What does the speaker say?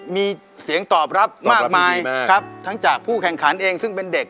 มีเสียงตอบรับมากมายครับทั้งจากผู้แข่งขันเองซึ่งเป็นเด็ก